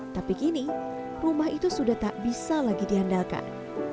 tapi kini rumah itu sudah tak bisa lagi diandalkan